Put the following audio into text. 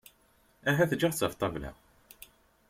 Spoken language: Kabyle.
Ahat ǧǧiɣ-t ɣef ṭṭabla.